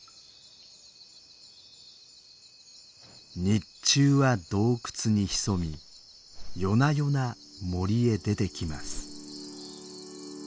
日中は洞窟に潜み夜な夜な森へ出てきます。